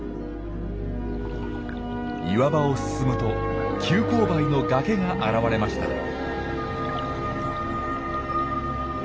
岩場を進むと急勾配の崖が現れました。